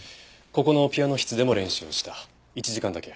ここのピアノ室でも練習をした１時間だけ？